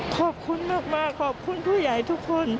ขอบคุณมากขอบคุณผู้ใหญ่ทุกคน